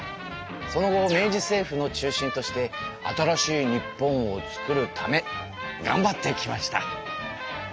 その後明治政府の中心として新しい日本をつくるためがんばってきました。